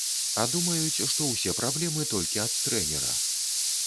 А думаюць, што ўсе праблемы толькі ад трэнера.